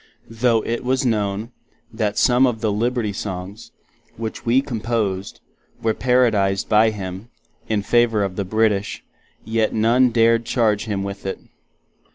Though it was known, that some of the Liberty Songs, which We composed, were parodized by him, in favor of the British, yet none dare charge him with it.